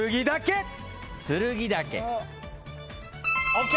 ＯＫ！